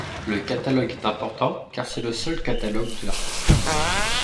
Le catalogue est important, car c'est le seul catalogue de l'artiste.